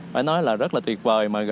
phải nói là rất là tuyệt vời